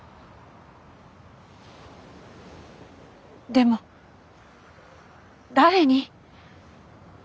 でも誰に？